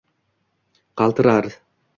Qaltirar